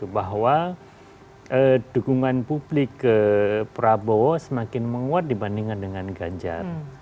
bahwa dukungan publik ke prabowo semakin menguat dibandingkan dengan ganjar